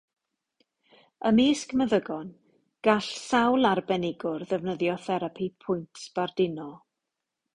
Ymysg meddygon, gall sawl arbenigwr ddefnyddio therapi pwynt sbarduno.